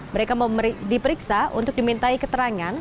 mereka diperiksa untuk dimintai keterangan